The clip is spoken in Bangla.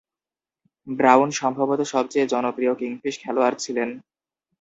ব্রাউন সম্ভবত সবচেয়ে জনপ্রিয় কিংফিশ খেলোয়াড় ছিলেন।